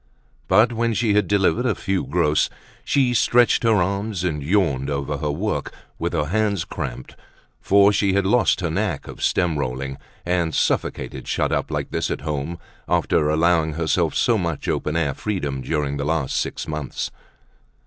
But when she had delivered a few gross, she stretched her arms and yawned over her work, with her hands cramped, for she had lost her knack of stem rolling, and suffocated, shut up like this at home after allowing herself so much open air freedom during the last six months.